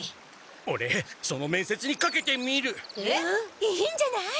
オレその面接にかけてみる！え！？いいんじゃない！